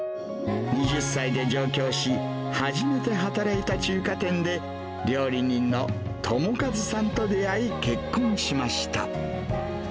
２０歳で上京し、初めて働いた中華店で、料理人の友一さんと出会い結婚しました。